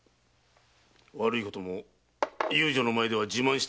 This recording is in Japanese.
悪いことも遊女の前では自慢したがるか。